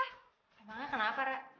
emangnya kenapa ra